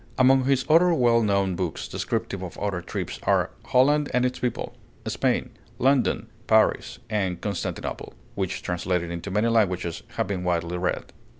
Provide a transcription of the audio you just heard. Among his other well known books, descriptive of other trips, are 'Holland and Its People,' 'Spain,' 'London,' 'Paris,' and 'Constantinople,' which, translated into many languages, have been widely read.